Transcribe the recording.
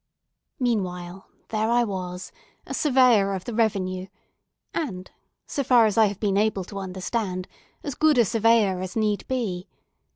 Meanwhile, there I was, a Surveyor of the Revenue and, so far as I have been able to understand, as good a Surveyor as need be.